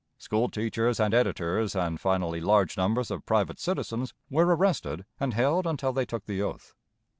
School teachers and editors and finally large numbers of private citizens were arrested and held until they took the oath.